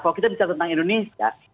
kalau kita bicara tentang indonesia